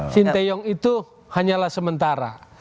sinteyong itu hanyalah sementara